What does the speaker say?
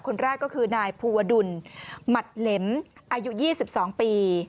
คนแรกก็คือนายภูวดุลหมัดเหลมอายุ๒๒ปี